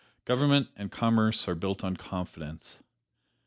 Government and commerce are built on confidence."